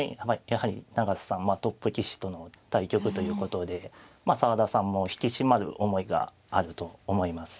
やはり永瀬さんトップ棋士との対局ということで澤田さんも引き締まる思いがあると思います。